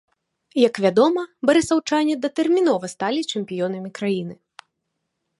Як вядома, барысаўчане датэрмінова сталі чэмпіёнамі краны.